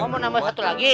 mau nambah satu lagi